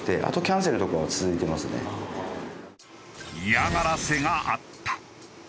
嫌がらせがあった。